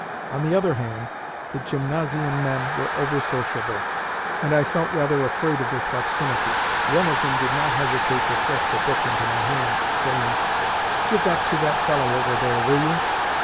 On the other hand, the gymnasium men were over sociable, and I felt rather afraid of their proximity. One of them did not hesitate to thrust a book into my hands, saying, "Give that to that fellow over there, will you?"